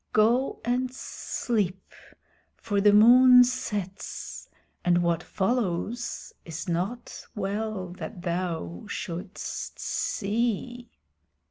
Go and sleep, for the moon sets, and what follows it is not well that thou shouldst see."